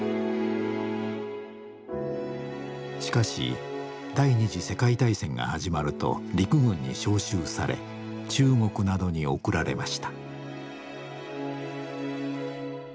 しかし第２次世界大戦が始まると陸軍に召集され中国などに送られました。